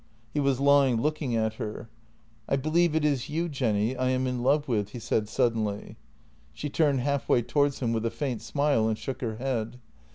He was lying looking at her: " I believe it is you, Jenny, I am in love with," he said suddenly. She turned half way towards him, with a faint smile, and shook her head.